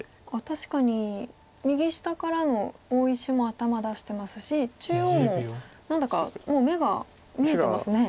確かに右下からの大石も頭出してますし中央も何だかもう眼が見えてますね。